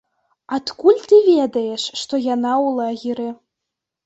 Адкуль ты ведаеш, што яна ў лагеры?